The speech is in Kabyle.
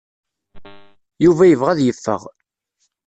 Yuba yebɣa ad yeffeɣ.